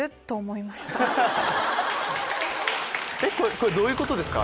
これどういうことですか？